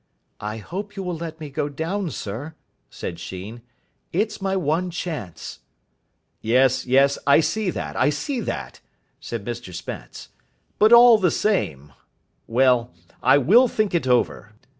"I hope you will let me go down, sir," said Sheen. "It's my one chance." "Yes, yes, I see that, I see that," said Mr Spence, "but all the same well, I will think it over."